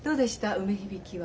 梅響は。